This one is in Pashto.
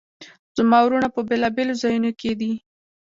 زما وروڼه په بیلابیلو ځایونو کې دي